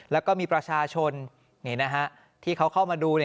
แล้วก็มีประชาชนนี่นะฮะที่เขาเข้ามาดูเนี่ย